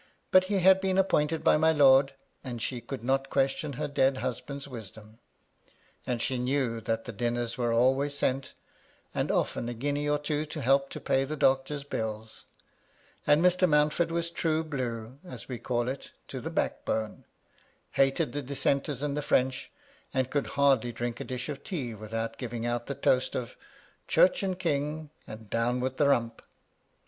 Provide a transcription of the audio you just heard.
But he had been appointed by my lord/ and she could not question her dead husband's wisdom ; and she knew that the dinners were always sent, and often a guinea or two to help to pay the doctor's bills ; and Mr. Mountford was true blue, as we call it, to the back bone ; hated the dis senters and the French ; and could hardly drink a dish of tea without giving out the toast of " Church and King, and down with the Rump."